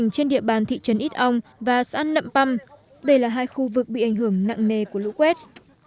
cây ăn nậm păm đây là hai khu vực bị ảnh hưởng nặng nề của lũ quét